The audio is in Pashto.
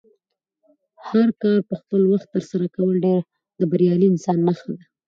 هر کار په خپل وخت ترسره کول د بریالي انسان نښه ده.